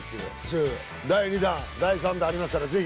轡Д第２弾第３弾ありましたらぜひ。